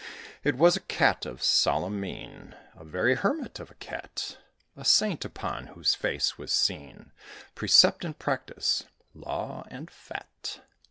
It was a Cat of solemn mien A very hermit of a Cat: A saint, upon whose face was seen Precept and practice, law, and fat.